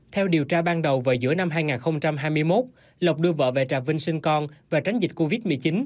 theo điều tra ban đầu vào giữa năm hai nghìn hai mươi một lộc đưa vợ về trà vinh sinh con và tránh dịch covid một mươi chín